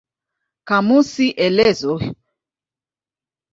Kamusi elezo hii ikawa moja kati ya vyanzo vya harakati ya Zama za Mwangaza.